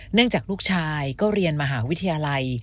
จากลูกชายก็เรียนมหาวิทยาลัย